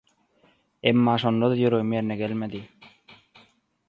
emma şonda-da ýüregim ýerine gelmedi.